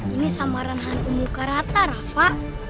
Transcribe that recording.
ini samaran hantu muka rata rafa